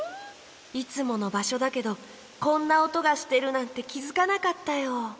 いつものばしょだけどこんなおとがしてるなんてきづかなかったよ。